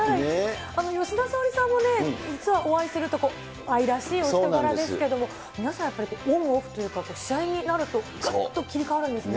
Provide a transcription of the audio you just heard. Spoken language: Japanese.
吉田沙保里さんもね、実はお会いすると、愛らしいお人柄ですけども、皆さん、やっぱりオンオフというか、試合になるとくっと切り替わるんですね。